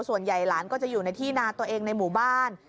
ส่วนใหญ่หลานก็จะอยู่ในที่นาตัวเองในหมู่บ้าน